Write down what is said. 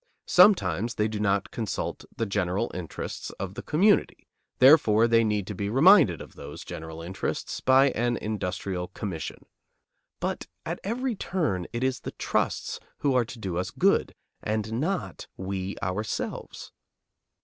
Sometimes they do not consult the general interests of the community; therefore they need to be reminded of those general interests by an industrial commission. But at every turn it is the trusts who are to do us good, and not we ourselves.